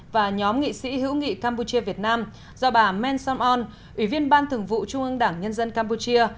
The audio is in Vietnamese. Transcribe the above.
và nhóm nghị sĩ hữu nghị campuchia việt nam do bà men som on ủy viên ban thường vụ trung ương đảng nhân dân campuchia